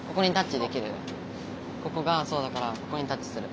ここがそうだからここにタッチする。